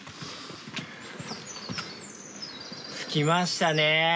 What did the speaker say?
着きましたね。